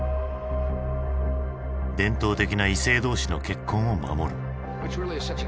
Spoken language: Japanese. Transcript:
伝統的な異性同士の結婚を守る。